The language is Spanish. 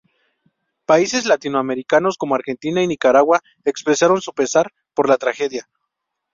Países latinoamericanos como Argentina y Nicaragua expresaron su pesar por la tragedia.